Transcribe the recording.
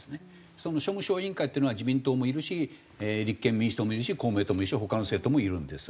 その庶務小委員会っていうのは自民党もいるし立憲民主党もいるし公明党もいるし他の政党もいるんです。